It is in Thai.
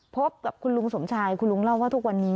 พบกับคุณลุงสมชายคุณลุงเล่าว่าทุกวันนี้